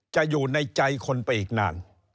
อยู่ในใจคนไปอีกนาน